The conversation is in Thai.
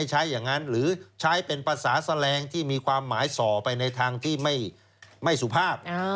ใช้อย่างนั้นหรือใช้เป็นภาษาแสลงที่มีความหมายส่อไปในทางที่ไม่สุภาพ